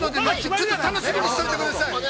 ちょっと楽しみにしといてください。